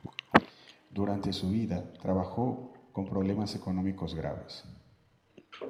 Durante su vida trabajó con problemas económicos graves.